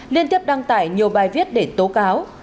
liên tiếp đăng tải nhiều bài viết để tố cáo